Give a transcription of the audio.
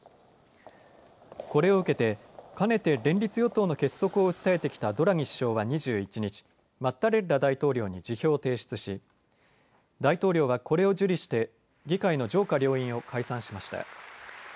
これを受けてかねて連立与党の結束を訴えてきたドラギ首相は２１日、マッタレッラ大統領に辞表を提出し大統領はこれを受理して議会の上下両院を解散しました。